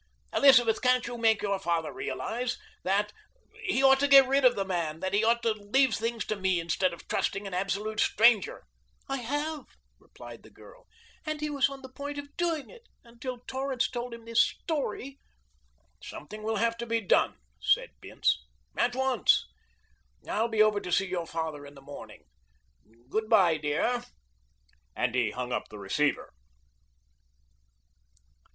Elizabeth, can't you make your father realize that he ought to get rid of the man, that he ought to leave things to me instead of trusting an absolute stranger?" "I have," replied the girl, "and he was on the point of doing it until Torrance told him this story." "Something will have to be done," said Bince, "at once. I'll be over to see your father in the morning. Good by, dear," and he hung up the receiver.